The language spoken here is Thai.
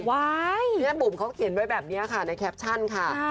แม่บุ๋มเขาเขียนไว้แบบนี้ค่ะในแคปชั่นค่ะ